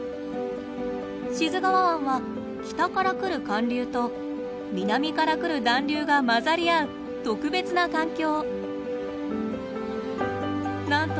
志津川湾は北から来る寒流と南から来る暖流が混ざり合う特別な環境。